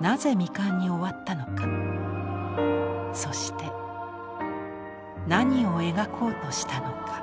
なぜ未完に終わったのかそして何を描こうとしたのか。